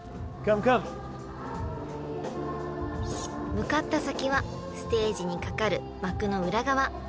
［向かった先はステージにかかる幕の裏側］